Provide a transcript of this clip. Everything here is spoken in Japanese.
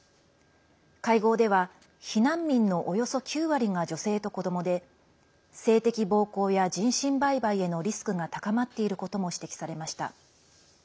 会合では避難民のおよそ９割が女性と子どもで性的暴行や人身売買へのリスクが高まっていることも指摘されました。